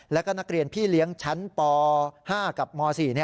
แล้วก็นักเรียนพี่เลี้ยงชั้นป๕กับม๔